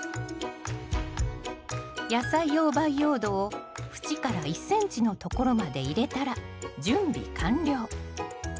野菜用培養土を縁から１ｃｍのところまで入れたら準備完了。